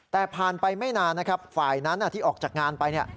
แต่ผ่านไปไม่นานนะครับฝ่ายนั้นที่ออกจากงานไป